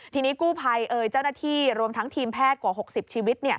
ทีนี้กู้ภัยเอ่ยเจ้าหน้าที่รวมทั้งทีมแพทย์กว่า๖๐ชีวิต